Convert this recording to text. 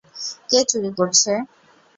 কে চুরি করছে?